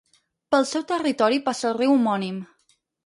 Pel seu territori passa el riu homònim.